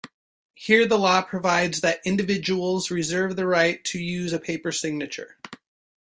Here the law provides that individuals reserve the right to use a paper signature.